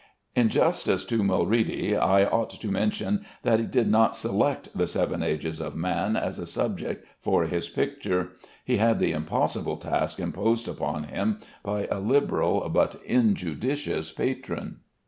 In justice to Mulready I ought to mention that he did not select "the seven ages of man" as a subject for his picture. He had the impossible task imposed upon him by a liberal but injudicious patron.